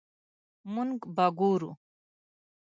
مونږ به ګورو